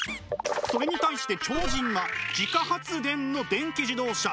それに対して超人は自家発電の電気自動車。